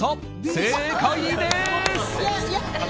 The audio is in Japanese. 正解です。